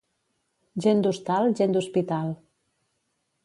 Gent d'hostal, gent d'hospital.